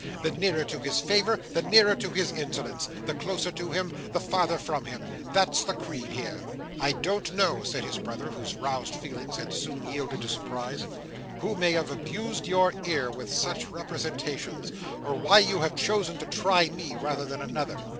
The nearer to his favour, the nearer to his insolence; the closer to him, the farther from him. That's the creed here!" "I don't know," said his brother, whose roused feelings had soon yielded to surprise, "who may have abused your ear with such representations; or why you have chosen to try me, rather than another.